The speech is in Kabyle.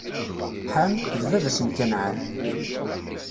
Ḥam, d baba-s n Kanɛan.